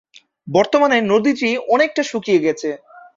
বর্তমানে নদীটি অনেকটা শুকিয়ে গেছে।